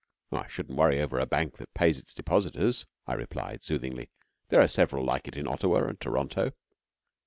'I shouldn't worry over a Bank that pays its depositors,' I replied soothingly. 'There are several like it in Ottawa and Toronto.'